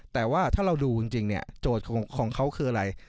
แต่ว่าถ้าเราดูจริงเนี่ยโจทย์ของเขาคืออะไร